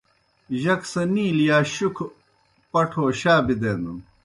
جک سہ نِیلہ یا شُکھہ پٹھو شا بدینَن۔